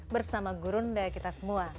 bersama gurunda kita semua